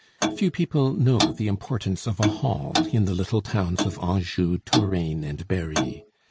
Few people know the importance of a hall in the little towns of Anjou, Touraine, and Berry.